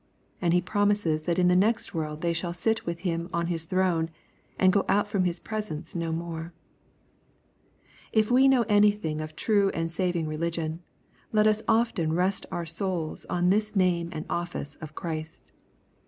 And He promises that in the next world they shall sit with Him on His throne, and go out from His presence no more. ^ If we know anything of true and saving religion, let us often rest our souls on this name and office of Christ.